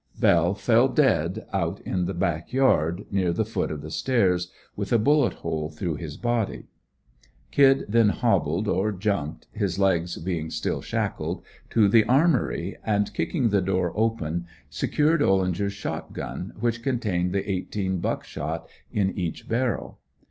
Bell fell dead out in the back yard, near the foot of the stairs, with a bullet hole through his body. "Kid" then hobbled, or jumped, his legs being still shackled, to the armory and kicking the door open secured Ollinger's shot gun, which contained the eighteen buck shot in each barrel.